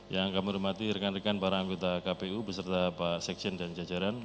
yang kami hormati rekan rekan para anggota kpu beserta pak sekjen dan jajaran